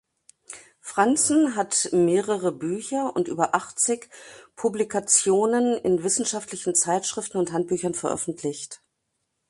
Franzen hat mehrere Bücher und über achtzig Publikationen in wissenschaftlichen Zeitschriften und Handbüchern veröffentlicht.